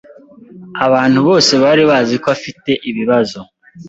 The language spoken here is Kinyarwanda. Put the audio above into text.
Abantu bose bari bazi ko afite ibibazo.